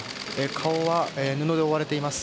顔は布で覆われています。